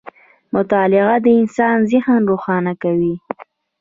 • مطالعه د انسان ذهن روښانه کوي.